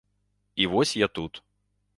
І вось я тут!